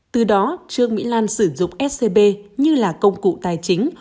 từ đó trương mỹ lan sử dụng scb như là công cụ tài chính